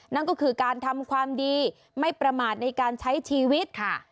นั่นก็คือการทำความดีไม่ประมาทในการใช้ชีวิตค่ะ